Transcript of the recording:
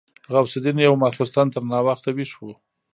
غوث الدين يو ماخستن تر ناوخته ويښ و.